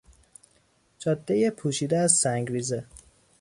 جادهی پوشیده از سنگریزه